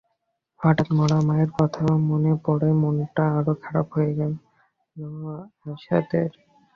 হঠাৎ মরা মায়ের কথা মনে পড়ায় মনটা আরো খারাপ হয়ে গেলো আসাদের।